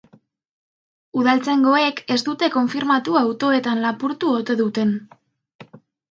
Udaltzaingoek ez dute konfirmatu autoetan lapurtu ote duten.